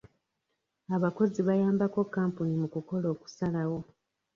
Abakozi bayambako kampuni mu kukola okusalawo.